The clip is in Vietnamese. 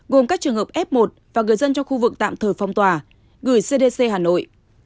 gồm các trường hợp f một và người dân trong khu vực tạm thời phong tỏa gửi cdc hà nội